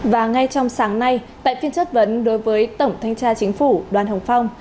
và ngay trong sáng nay tại phiên chất vấn đối với tổng thanh tra chính phủ đoàn hồng phong